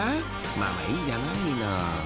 ［まあまあいいじゃないの。